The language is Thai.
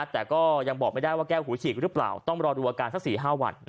แต่ก็ยังบอกไม่ได้ว่าแก้วหูฉีกหรือเปล่าต้องรอดูอาการสัก๔๕วัน